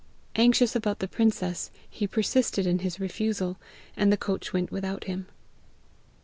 Anxious about the princess, he persisted in his refusal, and the coach went without him.